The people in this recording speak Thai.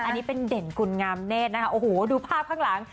อันนี้เป็นเด่นคุณงามเนธนะคะโอ้โหดูภาพข้างหลัง